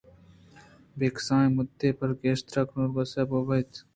بلے کسانیں مُدّتے ءَ پد شیر ءُ اینڈروکِلس گِرگ بُوتنت